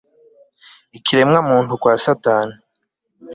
ikiremwa muntu kwa satani